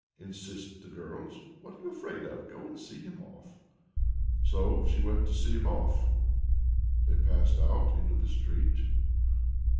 insist the girls. "What are you afraid of? Go and see him off." So she went to see him off. They passed out into the street.